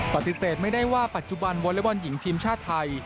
ปฏิเสธไม่ได้ว่าปัจจุบันวอเล็กบอลหญิงทีมชาติไทย